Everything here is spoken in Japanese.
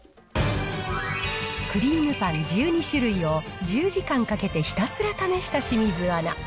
クリームパン１２種類を１０時間かけてひたすら試した清水アナ。